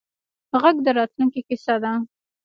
غږ د راتلونکې کیسه ده